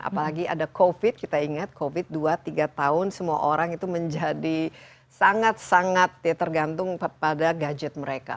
apalagi ada covid kita ingat covid dua tiga tahun semua orang itu menjadi sangat sangat ya tergantung pada gadget mereka